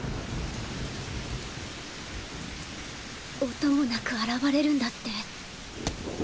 音もなく現れるんだって。